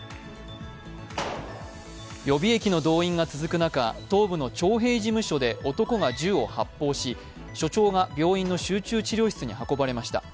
予備役の動員が続く中、東部の徴兵事務所で男が銃を発砲し所長が病院の集中治療室に運ばれました。